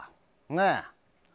ねえ。